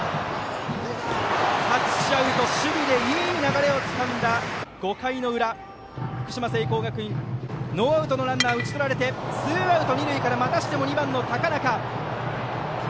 タッチアウト、守備でいい流れをつかんだ５回の裏福島・聖光学院ノーアウトのランナーを打ち取られてツーアウト二塁からまたしても２番、高中。